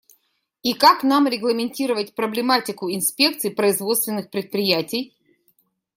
И как нам регламентировать проблематику инспекций производственных предприятий?